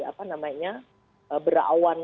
apa namanya berawan